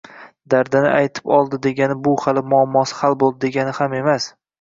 Dardini aytib oldi degani bu hali muammosi hal boʻldi degani ham emas.